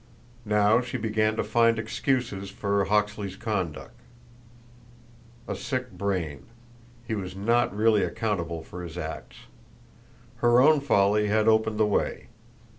Now she began to find excuses for Hawksley's conduct. A sick brain; he was not really accountable for his acts. Her own folly had opened the way.